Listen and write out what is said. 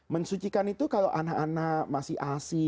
mensucikan itu kalau anak anak masih asi